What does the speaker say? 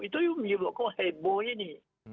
itu yang menyebabkan heboh ini